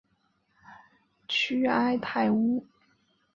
屈埃泰乌。